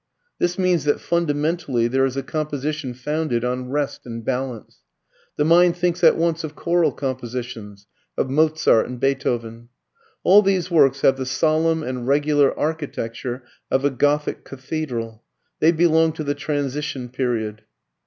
This means that fundamentally there is a composition founded on rest and balance. The mind thinks at once of choral compositions, of Mozart and Beethoven. All these works have the solemn and regular architecture of a Gothic cathedral; they belong to the transition period.